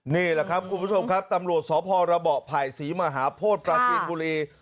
นี่แหละครับคุณผู้ชมครับตำรวจสตร์ภพระอบทภัยศรีมหาโพษตรักษินปุรี